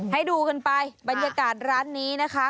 ให้ดูกันไปบรรยากาศร้านนี้นะคะ